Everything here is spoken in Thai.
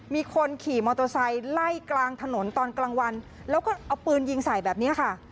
มีคนขี่มอเตอร์ไซค์ไล่กลางถนนตอนกลางวันแล้วก็เอาปืนยิงใส่แบบนี้ค่ะ